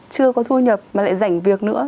chưa có thu nhập mà lại rảnh việc nữa